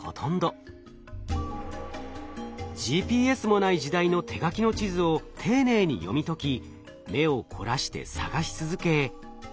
ＧＰＳもない時代の手書きの地図を丁寧に読み解き目を凝らして探し続け。